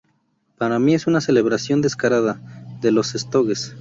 Para mí es una celebración descarada de los Stooges.